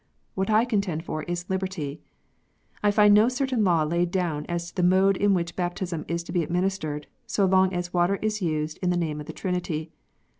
What I contend for is liberty. I find no certain law laid down as to the mode in which baptism is to be administered, so long as water is used in the name of the Trinity.